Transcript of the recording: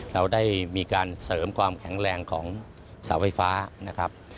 เราได้มีการเสริมความแข็งแรงของเสาไฟฟ้านะครับ